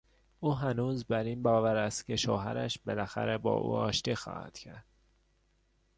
او هنوز بر این باور است که شوهرش بالاخره با او آشتی خواهد کرد.